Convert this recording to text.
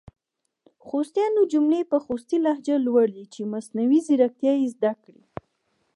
خوستیانو جملي په خوستې لهجه لولۍ چې مصنوعي ځیرکتیا یې زده کړې!